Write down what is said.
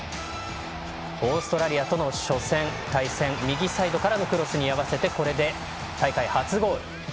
オーストラリアとの初戦での対戦、右サイドからのクロスに合わせてこれで大会初ゴール。